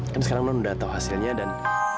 kan sekarang non udah tahu hasilnya dan